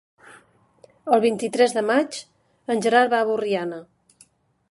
El vint-i-tres de maig en Gerard va a Borriana.